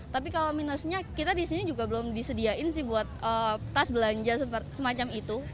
tapi kalau minusnya kita di sini juga belum disediain sih buat tas belanja semacam itu